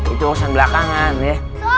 itu usang belakangan ya